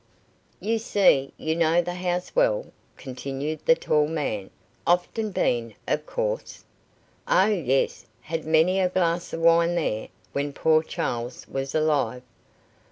"You see, you know the house well," continued the tall man. "Often been, of course?" "Oh, yes; had many a glass of wine there, when poor Charles was alive."